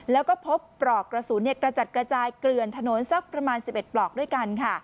แล้วก็พบปลอกกระสุนกระจัดกระจายเกลื่อนถนนสักประมาณ๑๑ปลอกด้วยกันค่ะ